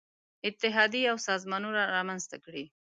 اتحادیې او سازمانونه رامنځته کړي.